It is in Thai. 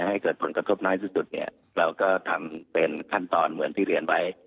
ให้เกิดผลกระทบน้อยที่สุดเนี่ยเราก็ทำเป็นขั้นตอนเหมือนที่เรียนไว้